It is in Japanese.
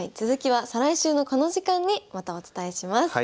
続きは再来週のこの時間にまたお伝えします。